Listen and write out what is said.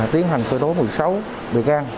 tiến hành khởi tố một mươi sáu bệ can